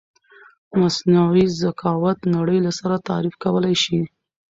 مثنوعې زکاوت نړی له سره تعریف کولای شې